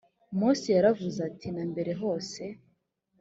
mose yaravuze ati na mbere hose